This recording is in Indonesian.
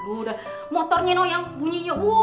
udah motornya yang bunyinya